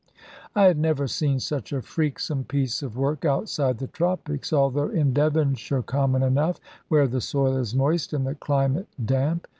I had never seen such a freaksome piece of work outside the tropics, although in Devonshire common enough, where the soil is moist and the climate damp.